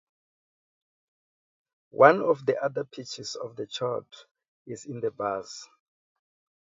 One of the other pitches of the chord is in the bass.